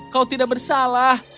kau tidak bersalah